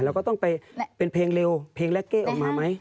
เราก็ต้องไปเป็นเพลงเร็วเพลงแรกเก้ออกมาไหม